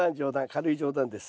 軽い冗談です。